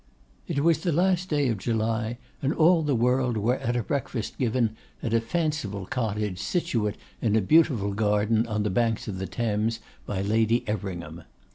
It was the last day of July, and all the world were at a breakfast given, at a fanciful cottage situate in beautiful gardens on the banks of the Thames, by Lady Everingham.